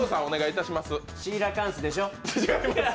シーラカンスでしょ。